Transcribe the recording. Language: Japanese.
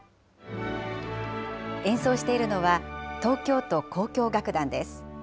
演奏しているのは、東京都交響楽団です。